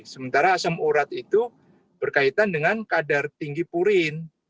sementara asam urat itu berkaitan dengan kadar tinggi purin